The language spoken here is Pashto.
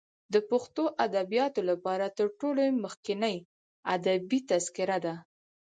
د پښتو ادبیاتو لپاره تر ټولو مخکنۍ ادبي تذکره ده.